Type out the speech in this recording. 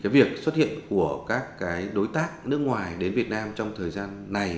cái việc xuất hiện của các cái đối tác nước ngoài đến việt nam trong thời gian này